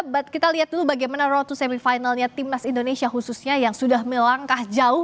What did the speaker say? bat kita lihat dulu bagaimana road to semifinalnya timnas indonesia khususnya yang sudah melangkah jauh